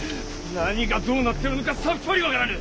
何がどうなっておるのかさっぱり分からぬ！